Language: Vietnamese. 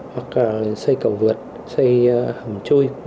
hoặc là xây cầu vượt xây hầm chui v v